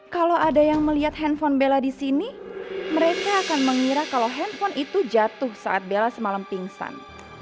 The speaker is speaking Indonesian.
kalau ada yang melihat handphone bella di sini mereka akan mengira kalau handphone itu jatuh saat bella semalam pingsan